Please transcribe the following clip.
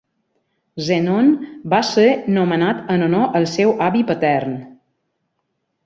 Zenon va ser nomenat en honor al seu avi patern.